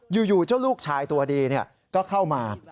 อยู่เจ้าลูกชายตัวดีก็เข้ามา